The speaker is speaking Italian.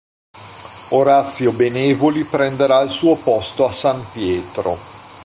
Orazio Benevoli prenderà il suo posto a S. Pietro.